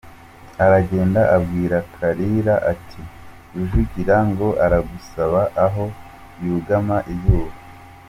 Aragenda abwira Kalira ati: "Rujugira ngo aragusaba aho yugama izuba.